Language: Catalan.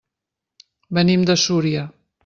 Venim de Súria.